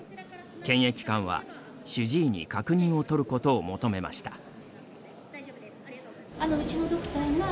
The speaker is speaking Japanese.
検疫官は主治医に確認を取ることを求めました。